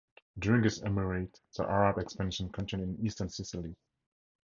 During his emirate the Arab expansion continued in eastern Sicily.